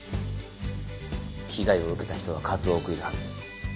被害を受けた人は数多くいるはずです。